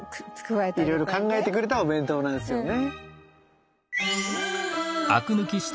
いろいろ考えてくれたお弁当なんですよね。